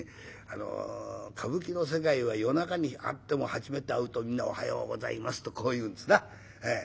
歌舞伎の世界は夜中に会っても初めて会うとみんな「おはようございます」とこう言うんですな。